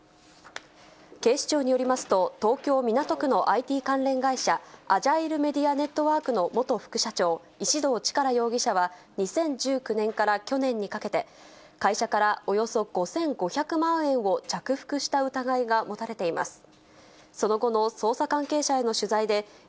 警視庁によりますと、東京・港区のＩＴ関連会社、アジャイルメディア・ネットワークの元副社長、石動力容疑者は、２０１９年から去年にかけて、会社からおよそ５５００万円を着服した疑いが持たれています。